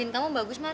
injin kamu bagus mar